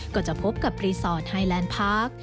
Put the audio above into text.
ก็จะพบกับรีสอร์ทไฮแลนด์พาร์ค